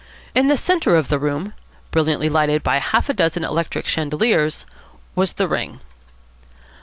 In the centre of the room, brilliantly lighted by half a dozen electric chandeliers, was the ring.